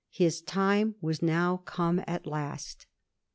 His time was now come at last.